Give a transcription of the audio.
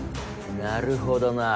なるほどな。